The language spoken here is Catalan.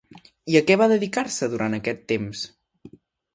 I a què va dedicar-se durant aquest temps?